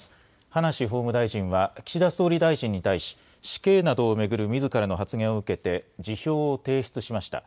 葉梨法務大臣は、岸田総理大臣に対し、死刑などを巡るみずからの発言を受けて、辞表を提出しました。